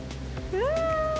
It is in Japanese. うわ。